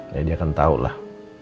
ya dia akan tau lah